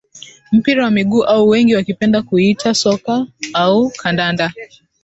Mpira wa miguu au wengi wakipenda kuuita soka au kandanda